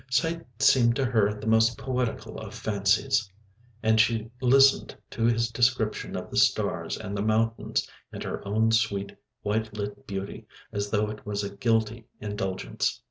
Sight seemed to her the most poetical of fancies, and she listened to his description of the stars and the mountains and her own sweet white lit beauty as though it was a guilty indulgence.